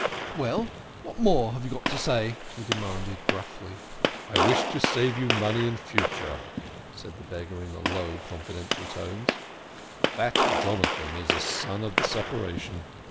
"Well, what more have you to say?" he demanded gruffly. "I wish to save you money in future," said the beggar in low, confidential tones. " That Jonathan is a son of the separation